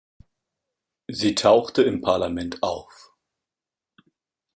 Sie tauchte im Parlament auf.